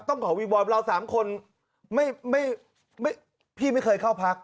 ต้องขอวิงวอนเรา๓คนพี่ไม่เคยเข้าพัก